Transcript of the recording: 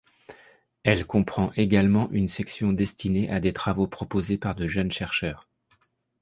Elle comprend également une section destinée à des travaux proposés par de jeunes chercheurs.